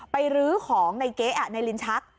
รื้อของในเก๊ะในลิ้นชัก